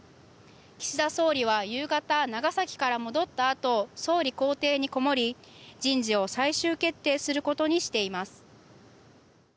岸田総理は夕方、長崎から戻ったあと総理公邸にこもり人事を最終決定することにしています。